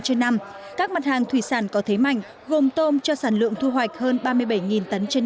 trên năm các mặt hàng thủy sản có thế mạnh gồm tôm cho sản lượng thu hoạch hơn ba mươi bảy tấn trên